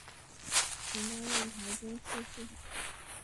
曾担任台中市市长。